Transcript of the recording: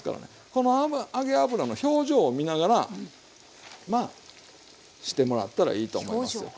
この揚げ油の表情を見ながらまあしてもらったらいいと思いますよ。